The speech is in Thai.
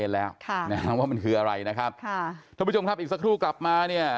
แล้วก็เป็นปัญหา